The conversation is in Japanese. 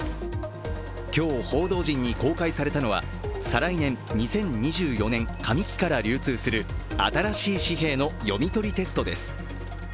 今日、報道陣に公開されたのは再来年、２０２４年上期から流通する新しい紙幣の読み取りテストです。